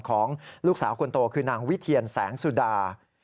ของลูกสาวคนโตคือนางวิเทียนแสงสุดา